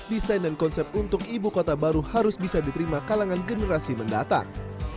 desain dan konsep untuk ibu kota baru harus bisa diterima kalangan generasi mendatang